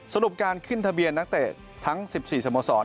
สรุปการขึ้นทะเบียนนักเตะทั้ง๑๔สโมสร